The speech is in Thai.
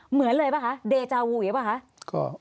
เหมือนเลยหรือเปล่าคะ